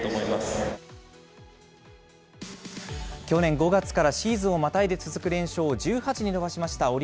去年５月からシーズンをまたいで続く連勝を１８に伸ばしました